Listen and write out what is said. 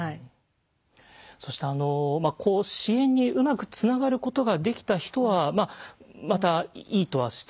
そして支援にうまくつながることができた人はまたいいとはして。